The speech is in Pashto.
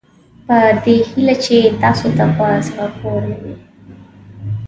په دې هیله چې تاسوته په زړه پورې وي.